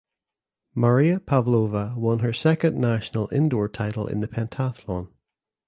Maria Pavlova won her second national indoor title in the pentathlon.